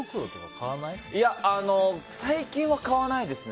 最近は買わないですね。